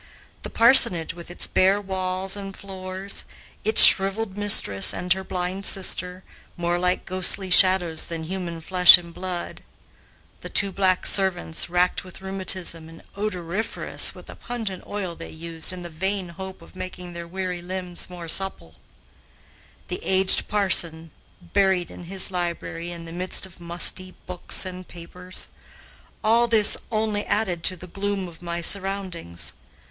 The parsonage, with its bare walls and floors, its shriveled mistress and her blind sister, more like ghostly shadows than human flesh and blood; the two black servants, racked with rheumatism and odoriferous with a pungent oil they used in the vain hope of making their weary limbs more supple; the aged parson buried in his library in the midst of musty books and papers all this only added to the gloom of my surroundings.